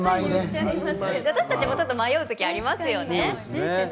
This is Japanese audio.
私たちも迷うことがありますよね。